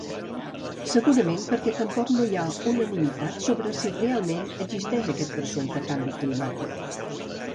Segurament perquè tampoc no hi ha unanimitat sobre si realment existeix aquest presumpte canvi climàtic.